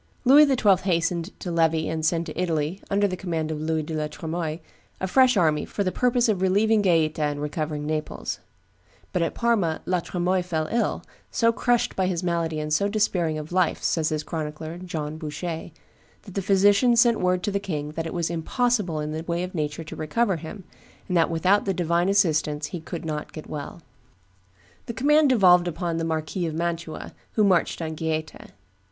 Louis XII. hastened to levy and send to Italy, under the command of Louis de la Tremoille, a fresh army for the purpose of relieving Gaeta and recovering Naples; but at Parma La Tremoille fell ill, "so crushed by his malady and so despairing of life," says his chronicler, John Bouchet, "that the physicians sent word to the king that it was impossible in the way of nature to recover him, and that without the divine assistance he could not get well." The command devolved upon the Marquis of Mantua, who marched on Gaeta.